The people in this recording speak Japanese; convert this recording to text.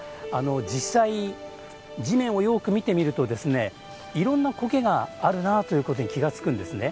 実際地面をよく見てみるとですねいろんな苔があるなということに気が付くんですね。